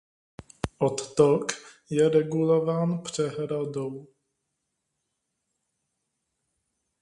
Odtok je regulován přehradou.